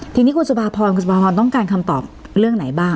ทีนี้คุณสุภาพรคุณสุภาพรต้องการคำตอบเรื่องไหนบ้าง